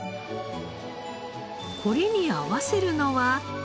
これに合わせるのは。